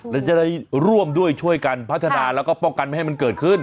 และจะได้ร่วมด้วยช่วยกันพัฒนาแล้วก็ป้องกันไม่ให้มันเกิดขึ้น